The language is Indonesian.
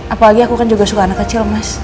apalagi aku kan juga suka anak kecil mas